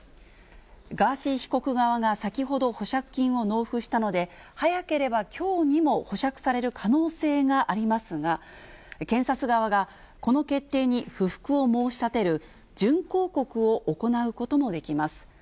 ガーシー被告側が先ほど保釈金を納付したので、早ければきょうにも保釈される可能性がありますが、検察側がこの決定に不服を申し立てる準抗告を行うこともできます。